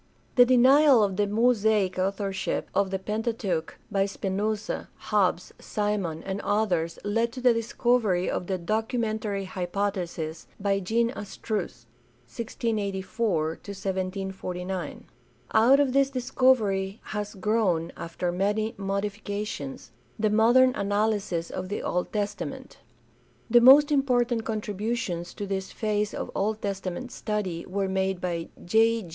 The denial of the Mosaic authorship of the Pentateuch by Spinoza, Hobbs, Simon, and others led to the discovery of the "documentary hypothesis" by Jean Astruc (1684 1749). Out of this discovery has grown, after many modifications, the modern analysis of the Old Testament. The most important contributions to this phase of Old Testament study were made by J.